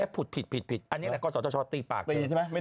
พูดผิดผิดผิดอันนี้ก็สอดเจ้าชอตตีปากเธอ